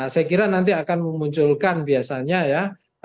saya kira nanti akan memunculkan biasanya ya